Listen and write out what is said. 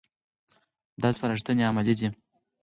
دا سپارښتنې عملي دي.